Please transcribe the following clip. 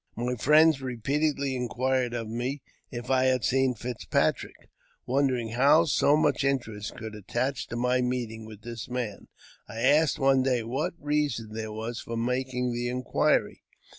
My friends repeatedly inquired of me if I had seen Fitzpatrick. Wondering how so much interest could attach to my meeting with that man, I asked one day what reason there was for making the inquiry.